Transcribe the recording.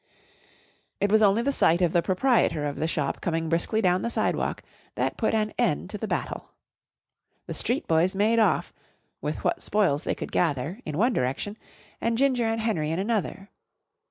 It was only the sight of the proprietor of the shop coming briskly down the side walk that put an end to the battle. The street boys made off (with what spoils they could gather) in one direction and Ginger and Henry in another.